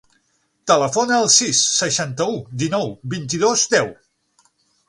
Telefona al sis, seixanta-u, dinou, vint-i-dos, deu.